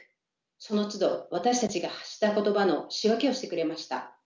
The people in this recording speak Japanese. そのつど私たちが発した言葉の仕分けをしてくれました。